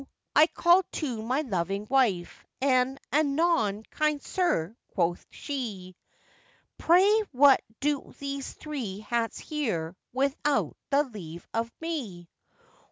I called to my loving wife, and 'Anon, kind sir!' quoth she; 'Pray what do these three hats here, without the leave of me?